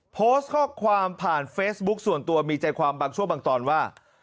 โพสต์ข้อความผ่านเฟซบุ๊คส่วนตัวมีใจความบางช่วงบางตอนว่า